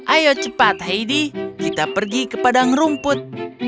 ayo cepat heidi kita pergi ke padang rumput